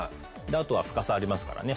あとは深さありますからね。